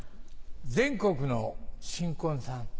全国の新婚さん